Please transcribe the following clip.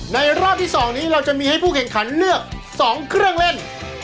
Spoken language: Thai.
รอบที่๒นี้เราจะมีให้ผู้แข่งขันเลือก๒เครื่องเล่น